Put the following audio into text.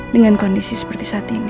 dengan kondisi seperti saat ini